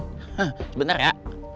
heh sebentar ya